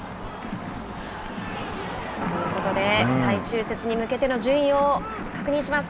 ということで最終節に向けての順位を確認します。